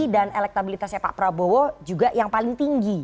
elektabilitasnya pak prabowo juga yang paling tinggi